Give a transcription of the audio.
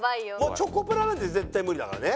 チョコプラなんて絶対無理だからね。